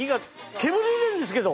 煙出てるんですけど！